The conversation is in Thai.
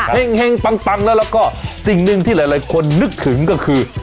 ฮะเฮ่งเฮ่งปังปังแล้วแล้วก็สิ่งหนึ่งที่หลายหลายคนนึกถึงก็คือ